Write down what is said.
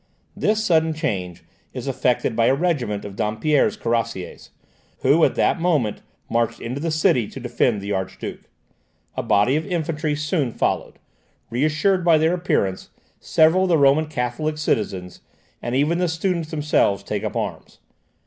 This sudden change is effected by a regiment of Dampierre's cuirassiers, who at that moment marched into the city to defend the Archduke. A body of infantry soon followed; reassured by their appearance, several of the Roman Catholic citizens, and even the students themselves, take up arms.